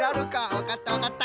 わかったわかった。